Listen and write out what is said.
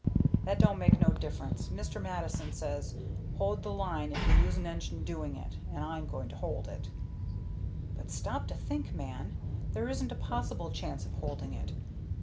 "That don't make no difference, Mr. Mattison says, 'Hold the line if you lose an engine doing it,' and I'm going to hold it." "But stop to think, man. There isn't a possible chance of holding it.